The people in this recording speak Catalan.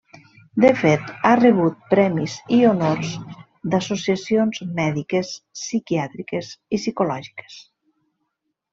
De fet, ha rebut premis i honors d'associacions mèdiques, psiquiàtriques i psicològiques.